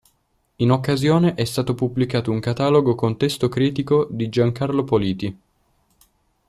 In occasione è stato pubblicato un catalogo con testo critico di Giancarlo Politi.